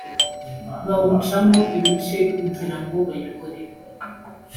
bawucamo ibice kugira ngo bayobore